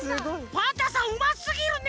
パンタンさんうますぎるね！